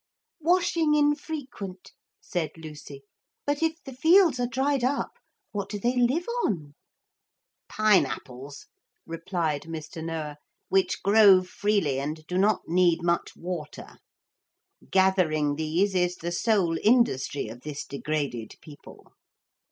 'Washing infrequent,' said Lucy; 'but if the fields are dried up, what do they live on?' 'Pine apples,' replied Mr. Noah, 'which grow freely and do not need much water. Gathering these is the sole industry of this degraded people.